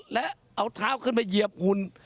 และเอาเท้าขึ้นมาเหยียบหุ่น